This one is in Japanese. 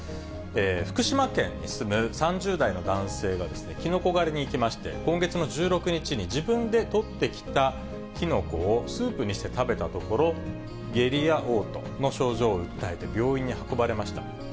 福島県に住む３０代の男性が、キノコ狩りに行きまして、今月の１６日に自分で採ってきたキノコをスープにして食べたところ、下痢やおう吐の症状を訴えて、病院に運ばれました。